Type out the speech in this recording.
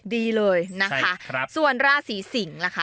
ดีเลยส่วนราศีสิ่งนะคะ